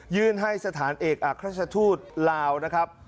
ยื่นให้สถานเอกอักฆชทูตลาวนะครับ